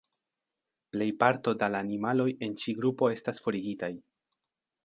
Plejparto da la animaloj en ĉi grupo estas forigitaj.